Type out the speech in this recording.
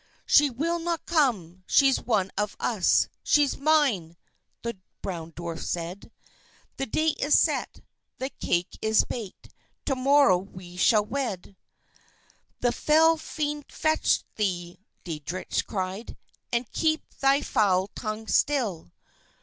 "She will not come; she's one of us; she's mine!" the Brown Dwarf said; "The day is set, the cake is baked, to morrow we shall wed." "The fell fiend fetch thee!" Deitrich cried, "and keep thy foul tongue still.